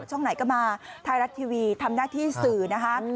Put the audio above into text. ช่องไหนก็มาไทยรัฐทีวีทำหน้าที่สื่อนะคะ